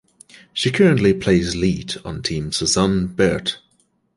She currently plays lead on Team Suzanne Birt.